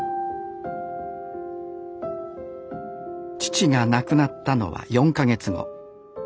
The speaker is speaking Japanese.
父が亡くなったのは４か月後。